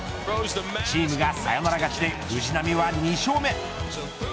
チームがサヨナラ勝ちで藤浪は２勝目。